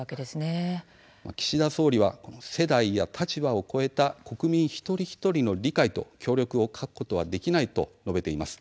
岸田総理は世代や立場を超えた国民一人一人の理解と協力を欠くことはできないと述べています。